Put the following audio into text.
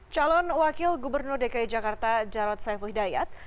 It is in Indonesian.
calon wakil gubernur dki jakarta jarad saifudhidayat